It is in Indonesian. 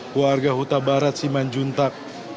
keluarga huta barat siman juntag